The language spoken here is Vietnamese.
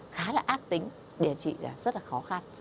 khá là ác tính đề trị rất là khó khăn